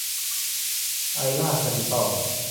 ไอร่า แคปปิตอล